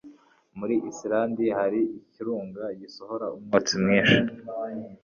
Muri Islande hari ikirunga gisohora umwotsi mwinshi